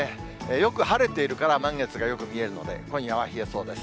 よく晴れているから満月がよく見えるので、今夜は冷えそうです。